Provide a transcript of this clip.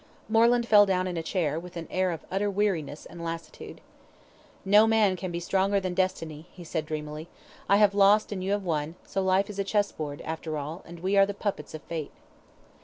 Moreland fell down in a chair, with an air of utter weariness and lassitude. "No man can be stronger than Destiny," he said, dreamily. "I have lost and you have won; so life is a chess board, after all, and we are the puppets of Fate."